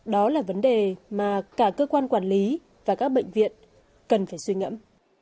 đó là vấn đề mà cả cơ quan quản lý và các bệnh viện cần phải suy ngẫm